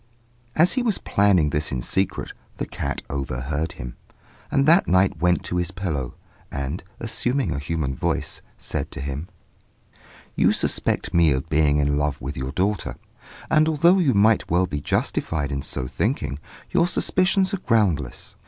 As he was planning this in secret, the cat overheard him, and that night went to his pillow, and, assuming a human voice, said to him "'You suspect me of being in love with your daughter; and although you might well be justified in so thinking, your suspicions are groundless.